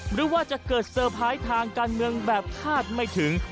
หรือว่าจะเกิดเซอร์ไพรส์ทางการเมืองแบบคาดไม่ถึง